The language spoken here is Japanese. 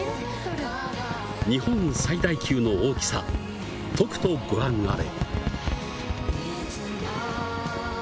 日本最大級の大きさ、とくとご覧あれ。